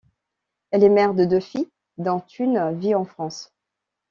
Elle est mère de deux filles, dont une vit en France.